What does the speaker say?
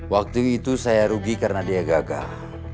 waktu itu saya rugi karena dia gagal